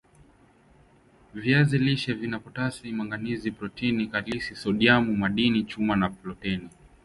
viazi lishe vina potasi manganizi protini kalisi sodiamu madini chuma na foleti